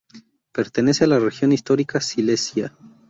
Pertenece a la región histórica Silesia.